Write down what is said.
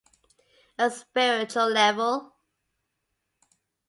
A spiritual level.